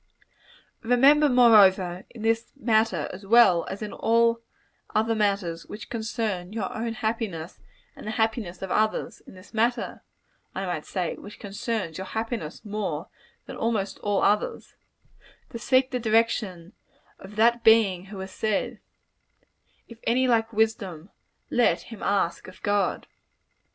Remember, moreover, in this matter, as well as in all other matters which concern your own happiness and the happiness of others in this matter, I might say, which concerns your happiness more than almost all others to seek the direction of that Being who has said, "If any lack wisdom, let him ask of God."